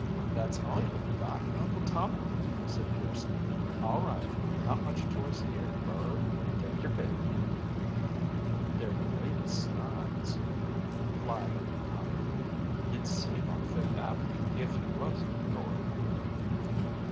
"That all you got, Uncle Tommy?" said Pearson. "All right. Not much choice here, Burr. Take your pick." "They're the latest styles" lied Uncle Tommy. "You'd see 'em on Fifth Avenue, if you was in New York."